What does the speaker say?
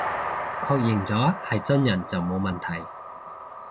確認咗係真人就冇問題